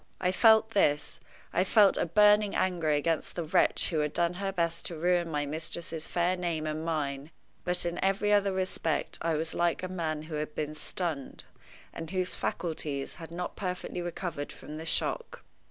I felt this; I felt a burning anger against the wretch who had done her best to ruin my mistress's fair name and mine, but in every other respect I was like a man who had been stunned, and whose faculties had not perfectly recovered from the shock.